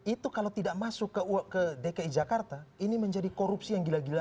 itu kalau tidak masuk ke dki jakarta ini menjadi korupsi yang gila gila